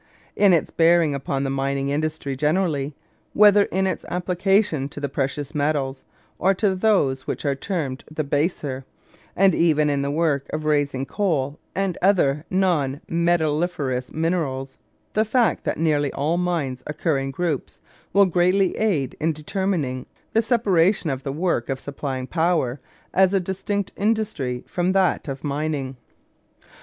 In its bearing upon the mining industry generally, whether in its application to the precious metals or to those which are termed the baser, and even in the work of raising coal and other non metalliferous minerals, the fact that nearly all mines occur in groups will greatly aid in determining the separation of the work of supplying power, as a distinct industry from that of mining.